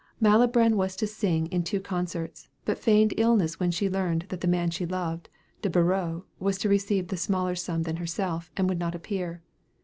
Malibran was to sing in two concerts, but feigned illness when she learned that the man she loved, De Beriot, was to receive a smaller sum than herself, and would not appear.